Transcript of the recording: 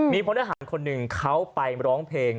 มีพลทหารคนหนึ่งเขาไปร้องเพลง